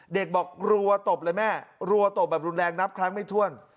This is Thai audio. เด็กบอกรัวตบเลยแม่รัวตบแบบรุนแรงนับครั้งไม่ถ้วน